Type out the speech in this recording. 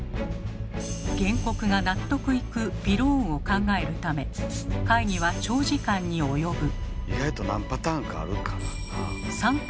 原告が納得いくびろーんを考えるため会議は長時間に及ぶ。